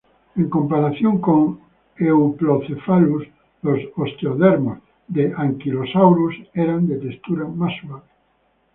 En comparación con "Euoplocephalus", los osteodermos de "Ankylosaurus" eran de textura más suave.